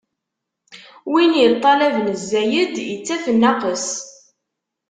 Win iṭṭalaben zzayed, ittaf nnaqes.